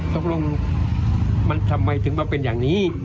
ตกลงมันทำไมถึงมาเป็นอย่างนี้